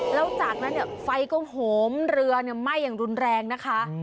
แล้วจากนั้นเนี่ยไฟก็หมเรือเนี่ยไหม้อย่างรุนแรงนะคะ